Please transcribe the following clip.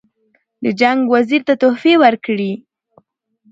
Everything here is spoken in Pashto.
د جنګ وزیر ته تحفې ورکړي.